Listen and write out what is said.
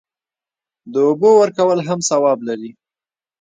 د اوبو ورکول هم ثواب لري.